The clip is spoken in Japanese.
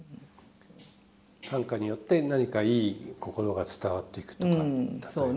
短歌によって何かいい心が伝わっていくとか例えばね。